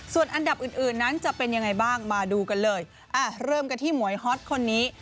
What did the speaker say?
ส่วนอันดับอื่นอื่นนั้นจะเป็นยังไงบ้างมาดูกันเลยอ่ะเริ่มกันที่หมวยฮอตคนนี้